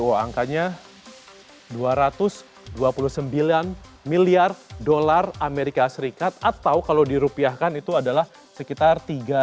oh angkanya dua ratus dua puluh sembilan miliar dolar amerika serikat atau kalau dirupiahkan itu adalah sekitar tiga